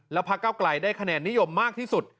และภาคเก้ากลายได้คะแนนนิยมมากที่สุด